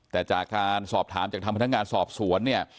แต่จากการสอบถามจากทางพนักงานสอบสวนเนี่ย